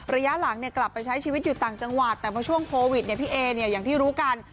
ระยะหลังกลับไปใช้ชีวิตอยู่ต่างจังหวัดแต่เพราะช่วงโควิดพี่เออย่างที่รู้กัน